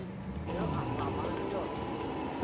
jangan lama lama jho